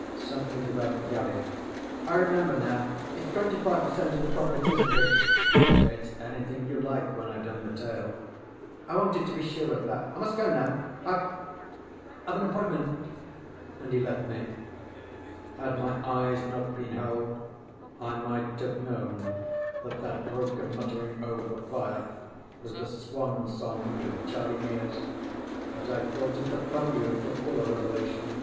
ŌĆØ ŌĆ£Something about the galley. ŌĆØ ŌĆ£I remember now. ItŌĆÖs 25 per cent. of the profits, isnŌĆÖt it? ŌĆØ ŌĆ£ItŌĆÖs anything you like when IŌĆÖve done the tale. ŌĆØ ŌĆ£I wanted to be sure of that. I must go now. IŌĆÖve, IŌĆÖve an appointment. ŌĆØ And he left me. Had my eyes not been held I might have know that that broken muttering over the fire was the swan song of Charlie Mears. But I thought it the prelude to fuller revelation.